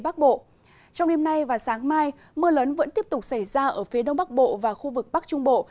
trong đêm nay và sáng mai mưa lớn vẫn tiếp tục xảy ra ở phía đông bắc bộ và khu vực bắc trung bộ